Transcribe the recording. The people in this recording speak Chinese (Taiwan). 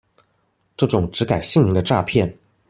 這種只改姓名的詐騙